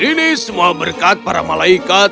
ini semua berkat para malaikat